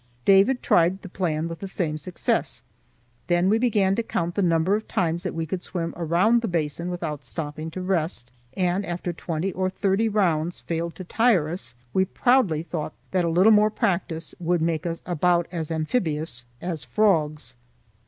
David tried the plan with the same success. Then we began to count the number of times that we could swim around the basin without stopping to rest, and after twenty or thirty rounds failed to tire us, we proudly thought that a little more practice would make us about as amphibious as frogs.